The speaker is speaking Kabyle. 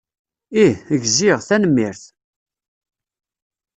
Ih, gziɣ. Tanemmirt.